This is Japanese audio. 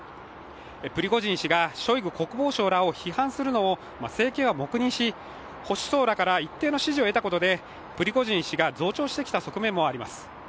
プリゴジン氏がショイグ国防相らを批判するのを政権は黙認し、保守層らから一定の支持を受けたことでプリゴジン氏が増長してきた側面もあります。